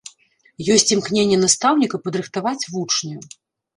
Ёсць імкненне настаўніка падрыхтаваць вучня.